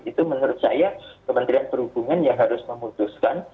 itu menurut saya kementerian perhubungan yang harus memutuskan